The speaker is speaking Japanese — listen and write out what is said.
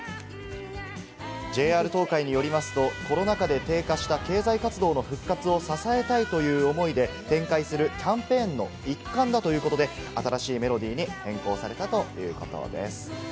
ＪＲ東海によりますと、コロナ禍で低下した経済活動の復活を支えたいという思いで展開するキャンペーンの一環だということで、新しいメロディーに変更されたということです。